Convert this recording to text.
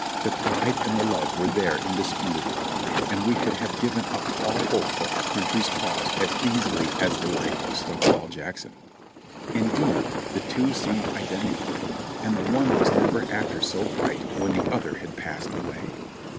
The pride and the love were there indisputably; and we could have given up all hope of our country's cause as easily as the life of Stonewall Jackson. Indeed, the two seemed identical, and the one was never after so bright when the other had passed away.